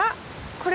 これ。